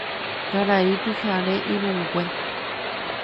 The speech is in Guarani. Karai pyhare irũngue